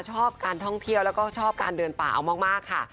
ชอบการท่องเที่ยวแล้วก็ชอบการเดินป่าเอามากค่ะ